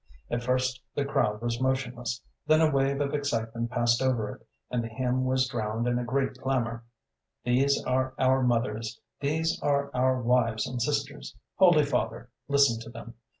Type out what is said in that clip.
"At first the crowd was motionless; then a wave of excitement passed over it, and the hymn was drowned in a great clamor: 'These are our mothers, these are our wives and sisters; Holy Father, listen to them.